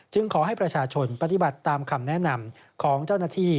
ขอให้ประชาชนปฏิบัติตามคำแนะนำของเจ้าหน้าที่